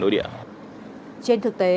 trên thực tế